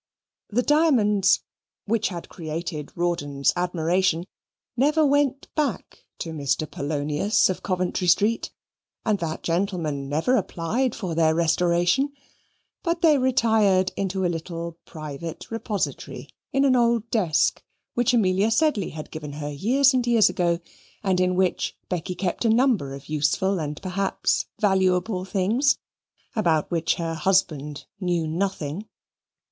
The diamonds, which had created Rawdon's admiration, never went back to Mr. Polonius, of Coventry Street, and that gentleman never applied for their restoration, but they retired into a little private repository, in an old desk, which Amelia Sedley had given her years and years ago, and in which Becky kept a number of useful and, perhaps, valuable things, about which her husband knew nothing.